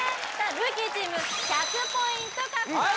ルーキーチーム１００ポイント獲得です